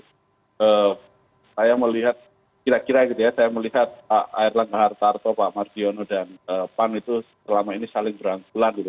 saya melihat kira kira gitu ya saya melihat pak air langga hartarto pak mardiono dan pan itu selama ini saling berangkulan gitu